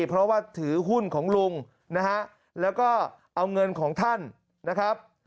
เพราะว่าถือหุ้นของลุงนะฮะแล้วก็เอาเงินของท่านนะครับ